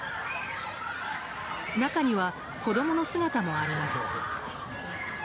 中には、子供の姿もあります。